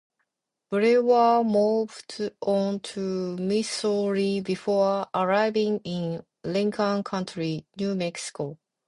Brewer moved on to Missouri before arriving in Lincoln County, New Mexico.